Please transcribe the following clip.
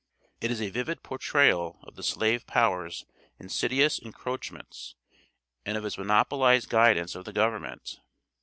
It is a vivid portrayal of the slave power's insidious encroachments, and of its monopolized guidance of the Government.